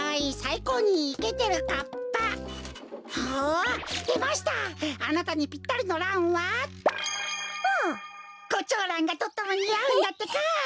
コチョウランがとってもにあうんだってか！